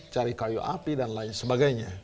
cari kayu api dan lain sebagainya